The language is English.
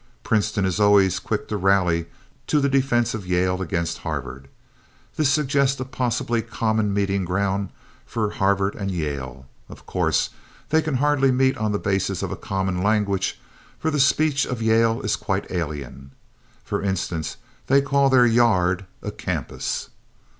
Princeton is always quick to rally to the defense of Yale against Harvard. This suggests a possibly common meeting ground for Harvard and Yale. Of course, they can hardly meet on the basis of a common language for the speech of Yale is quite alien. For instance, they call their "yard" a "campus."